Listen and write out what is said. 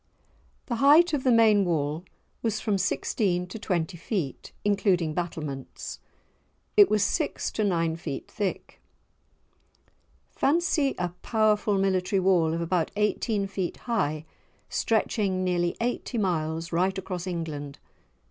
The height of the main wall was from sixteen to twenty feet, including battlements. It was six to nine feet thick. Fancy a powerful military wall of about eighteen feet high stretching nearly eighty miles right across England!